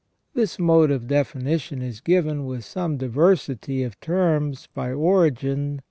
* This mode of definition is given, with some diversity of terms, by Origen, * S.